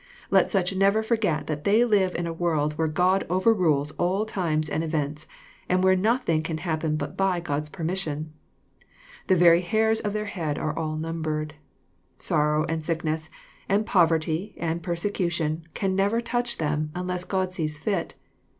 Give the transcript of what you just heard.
Let such never forget that they live in a world where God overrules a ll ti mes and events, and where nothing cag happen but_by God's permission. The very hairs of their heads are all^smnbered. Sorrow and sick*\ ness, and poverty, and persecution, can never touch them, \ unless God sees fit.